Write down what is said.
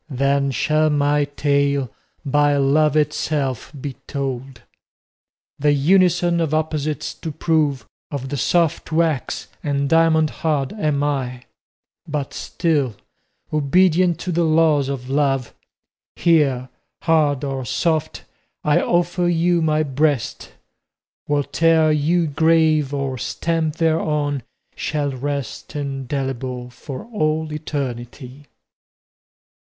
Then shall my tale by Love itself be told. The unison of opposites to prove, Of the soft wax and diamond hard am I; But still, obedient to the laws of love, Here, hard or soft, I offer you my breast, Whate'er you grave or stamp thereon shall rest Indelible for all eternity.